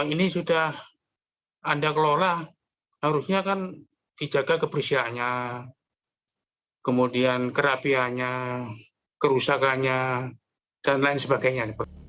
ini sudah anda kelola harusnya kan dijaga kebersihannya kemudian kerapiannya kerusakannya dan lain sebagainya